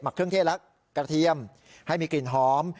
เครื่องเทศและกระเทียมให้มีกลิ่นหอม